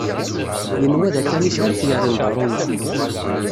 Yenwa d akanic ara t-yerren d aṛumi.